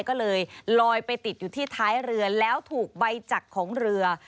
ก็เลยลอยไปติดอยู่ที่ท้ายเรือแล้วถูกใบจักรของเรือ